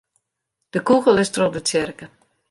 De kûgel is troch de tsjerke.